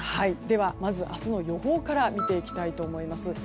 明日の予報から見ていきたいと思います。